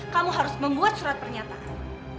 kamu harus membuat surat pernyataan